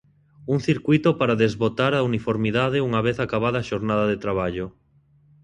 Un circuíto para desbotar a uniformidade unha vez acabada a xornada de traballo.